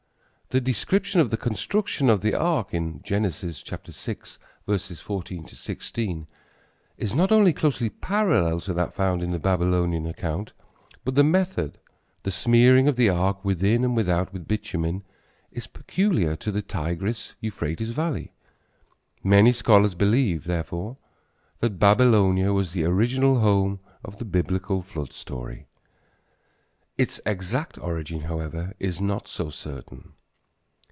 The description of the construction of the ark in Genesis 6:14 16 is not only closely parallel to that found in the Babylonian account, but the method the smearing of the ark within and without with bitumen is peculiar to the Tigris Euphrates valley. Many scholars believe, therefore, that Babylonia was the original home of the Biblical flood story. Its exact origin, however, is not so certain.